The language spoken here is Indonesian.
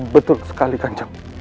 betul sekali ganjab